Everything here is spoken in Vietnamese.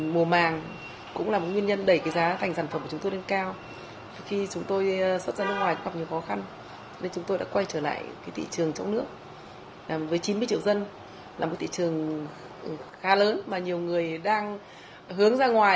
với chín mươi triệu dân là một thị trường khá lớn mà nhiều người đang hướng ra ngoài